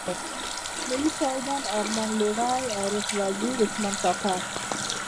ملي شهيدان ارمان لوڼی، عارف وزير، عثمان کاکړ.